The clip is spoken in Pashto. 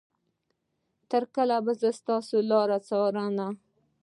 تر کله به زه ستا لارې څارنه.